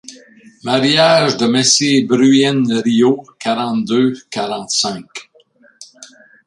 Mariage de messire Bruyn Riault quarante-deux quarante-cinq.